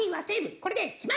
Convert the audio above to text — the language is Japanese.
これで決まり！」